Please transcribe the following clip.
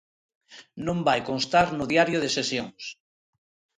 Non vai constar no Diario de Sesións.